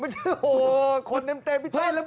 ไม่ใช่โอ้โฮคนนึ้นเต็มไปเรื่องตลอดแล้ว